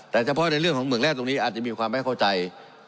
แต่เฉพาะในเรื่องของเหมืองแร่ตรงนี้อาจจะมีความไม่เข้าใจ